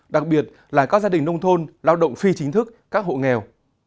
đặc biệt là các gia đình nông thôn lao động phi chính thức các hộ nghèo